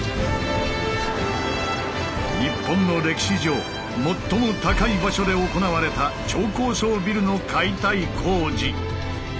日本の歴史上最も高い場所で行われた超高層ビルの解体工事。